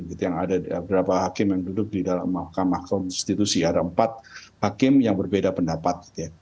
beberapa hakim yang duduk di dalam mahkamah konstitusi ada empat hakim yang berbeda pendapat